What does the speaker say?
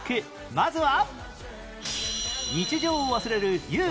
まずは